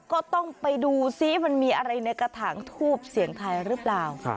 ก็ต้องไปดูซิมันมีอะไรในกระถางทูบเสียงไทยหรือเปล่า